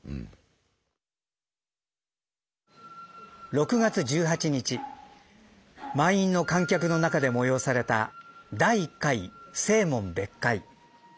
６月１８日満員の観客の中で催された第一回清門別会。